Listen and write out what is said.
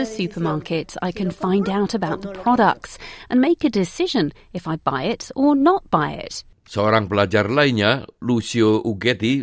seorang pelajar lainnya lucio ugeti